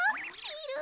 いる？